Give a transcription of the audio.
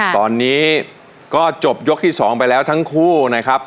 ตอนนี้ก็จบยกที่๒ไปแล้วทั้งคู่นะครับ